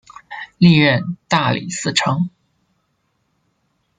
历任大理寺丞。